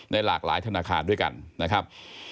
หลากหลายธนาคารด้วยกันนะครับ